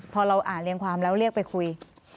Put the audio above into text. พอเราอ่านเรียงความแล้วเรียกไปคุย